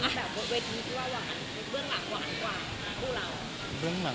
แบบวิทยุคือว่าหวาน